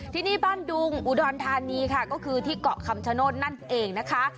ที่นี่บ้านดุงอุดรธานีค่ะก็คือที่เกาะคำชโนธนั่นเองนะคะ